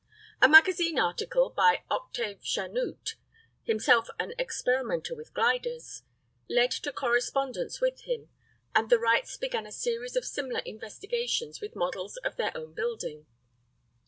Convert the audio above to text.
A magazine article by Octave Chanute, himself an experimenter with gliders, led to correspondence with him, and the Wrights began a series of similar investigations with models of their own building.